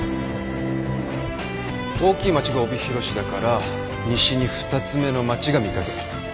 大きい町が帯広市だから西に２つ目の町が御影。